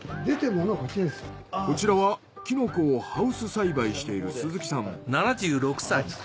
こちらはキノコをハウス栽培している鈴木さん。